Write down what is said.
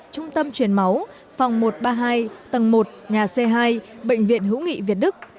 trung tâm chuyển máu phòng một trăm ba mươi hai tầng một nhà c hai bệnh viện hữu nghị việt đức